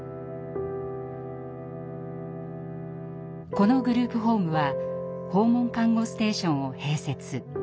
このグループホームは訪問看護ステーションを併設。